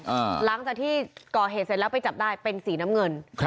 หลังจากที่ก่อเหตุเสร็จแล้วไปจับได้เป็นสีน้ำเงินครับ